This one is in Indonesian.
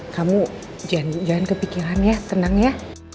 kamu jangan kepikiran ya senang ya